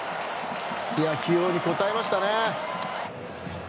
起用に応えましたね。